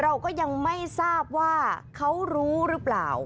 เราก็ยังไม่ทราบว่าเขารู้หรือเปล่า